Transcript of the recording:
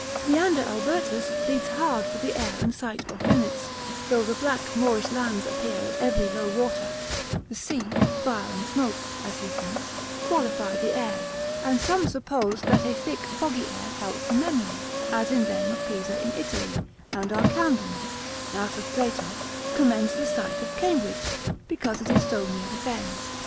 Leander Albertus pleads hard for the air and site of Venice, though the black moorish lands appear at every low water: the sea, fire, and smoke (as he thinks) qualify the air; and some suppose, that a thick foggy air helps the memory, as in them of Pisa in Italy; and our Camden, out of Plato, commends the site of Cambridge, because it is so near the fens.